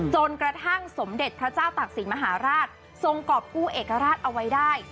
สมเด็จพระเจ้าตากศิลปมหาราชทรงกรอบกู้เอกราชเอาไว้ได้